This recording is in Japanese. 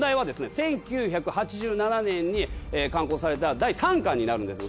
１９８７年に刊行された第３巻になるんです。